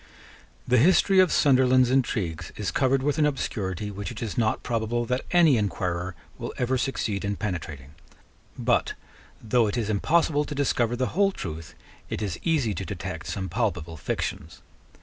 The history of Sunderland's intrigues is covered with an obscurity which it is not probable that any inquirer will ever succeed in penetrating: but, though it is impossible to discover the whole truth, it is easy to detect some palpable fictions.